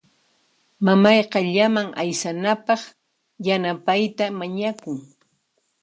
Mamayqa llaman aysanapaq yanapayta mañakun.